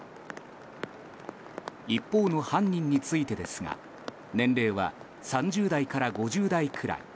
一方の犯人についてですが年齢は３０代から５０代くらい。